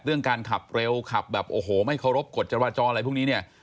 การขับเร็วขับแบบโอ้โหไม่เคารพกฎจราจรอะไรพวกนี้เนี่ย